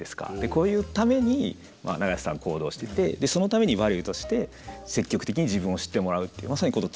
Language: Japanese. こういうために永瀬さん行動しててそのためにバリューとして積極的に自分を知ってもらうっていうハハハハッ！